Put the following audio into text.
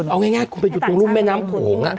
เอาง่ายกูไปจูมรุ่นแม่น้ำผงอ่ะ